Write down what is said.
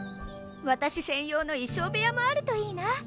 私専用の衣装部屋もあるといいな。